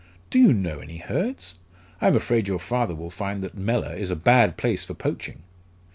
"Do you know any Hurds? I am afraid your father will find that Mellor is a bad place for poaching."